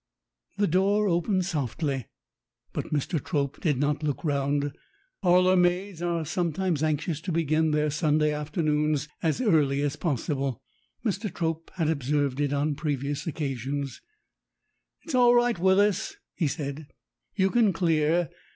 The door opened softly, but Mr. Trope did not look round. Parlormaids are sometimes anxious to begin their Sunday afternoons as early as possible; Mr. Trope had observed it on previous occasions. "It's all right, Willis," he said, "you can clear.